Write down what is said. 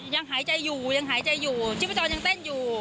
ยังหายใจอยู่ยังหายใจอยู่ชีพจรยังเต้นอยู่